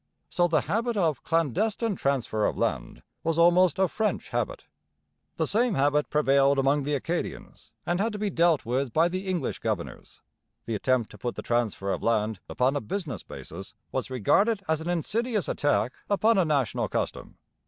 So the habit of clandestine transfer of land was almost a French habit. The same habit prevailed among the Acadians and had to be dealt with by the English governors. The attempt to put the transfer of land upon a business basis was regarded as an insidious attack upon a national custom.